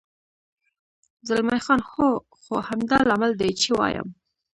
زلمی خان: هو، خو همدا لامل دی، چې وایم.